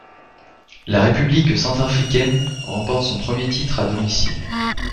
La République centrafricaine remporte son premier titre à domicile.